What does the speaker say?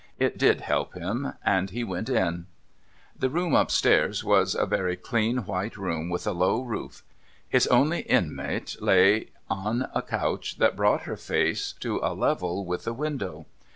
It did help him, and he went in. The room up stairs was a very clean white room with a low roof. Its only inmate lay on a couch that brought her face to a level with the window.